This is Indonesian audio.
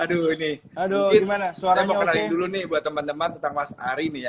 aduh ini mungkin saya mau kenalin dulu nih buat teman teman tentang mas ari nih ya